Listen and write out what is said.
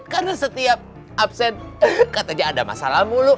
karena setiap absen katanya ada masalah mulu